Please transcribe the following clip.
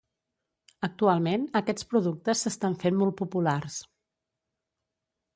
Actualment aquests productes s'estan fent molt populars.